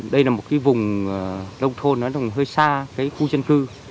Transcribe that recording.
đây là một cái vùng nông thôn nó hơi xa cái khu dân cư